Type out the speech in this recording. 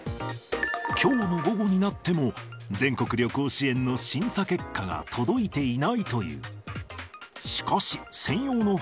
きょうの午後になっても、全国旅行支援の審査結果が届いていないという。